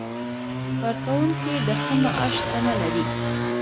کارکوونکي د ښه معاش تمه لري.